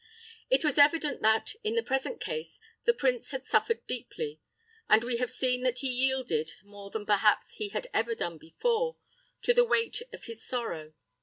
It was evident that, in the present case, the prince had suffered deeply, and we have seen that he yielded, more than perhaps he had ever done before, to the weight of his sorrow.